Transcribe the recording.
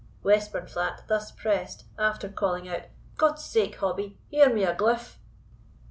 Westburnflat, thus pressed, after calling out, "Godsake, Hobbie, hear me a gliff!"